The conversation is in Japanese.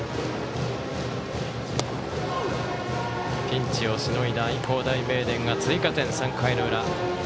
ピンチをしのいだ愛工大名電が追加点、３回の裏。